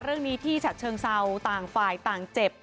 เรื่องนี้ที่ฉะเชิงเซาต่างฝ่ายต่างเจ็บ